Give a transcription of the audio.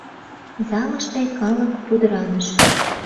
Залыште калык пудыраныш.